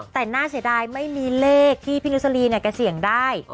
แต่น่าเสียดายไม่มีเลขที่พี่นุสรีเนี่ยแกเสี่ยงได้